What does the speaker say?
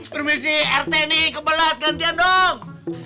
permisi rt nih kebelet gantian dong